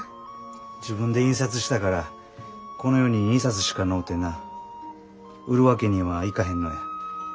自分で印刷したからこの世に２冊しかのうてな売るわけにはいかへんのや。